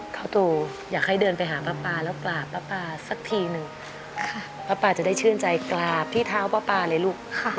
เขาตูอยากให้เดินไปหาป้าปลาแล้วกราบป้าปาสักทีหนึ่งป้าปาจะได้ชื่นใจกราบที่เท้าป้าปาเลยลูก